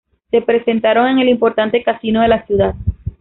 Se presentaron en el importante casino de la ciudad.